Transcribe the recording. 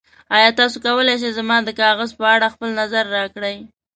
ایا تاسو کولی شئ زما د کاغذ په اړه خپل نظر راکړئ؟